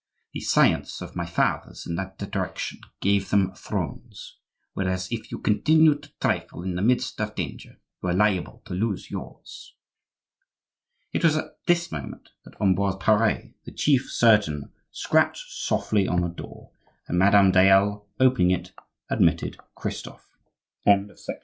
"The science of my fathers in that direction gave them thrones; whereas if you continue to trifle in the midst of danger you are liable to lose yours." It was at this moment that Ambroise Pare, the chief surgeon, scratched softly on the door, and Madame Dayelle, opening it, admitted Christophe. VII.